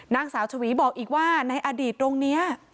นางสาวชวีบอกอีกว่าในอดีตตรงนี้